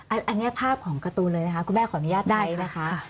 อันนี้ภาพของการ์ตูนเลยนะคะคุณแม่ขออนุญาตได้นะคะ